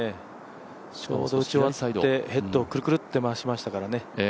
ちょうど打ち終わってヘッドをくるくるって回しましたからね。